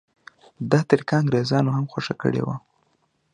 دا طریقه انګریزانو هم خوښه کړې وه.